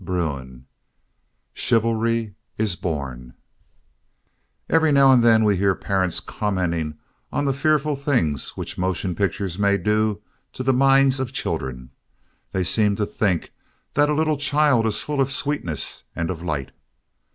VI CHIVALRY IS BORN Every now and then we hear parents commenting on the fearful things which motion pictures may do to the minds of children. They seem to think that a little child is full of sweetness and of light.